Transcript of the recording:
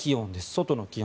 外の気温。